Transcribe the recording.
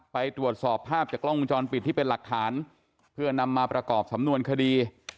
ไปตรวจสอบภาพจากกล้องวงจรปิดที่เป็นหลักฐานเพื่อนำมาประกอบสำนวนคดี